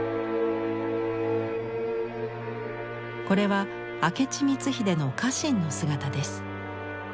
これは明智光秀の家臣の姿です。